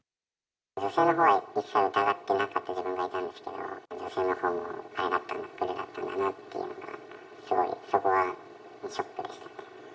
女性のほうは一切疑っていなかった自分がいたんですけど、女性のほうもグルだったんだなっていうのが、すごい、そこはショックでしたね。